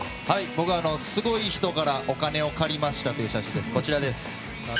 僕はすごい人からお金を借りましたという写真です。